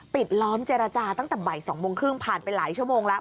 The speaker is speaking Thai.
ล้อมเจรจาตั้งแต่บ่าย๒โมงครึ่งผ่านไปหลายชั่วโมงแล้ว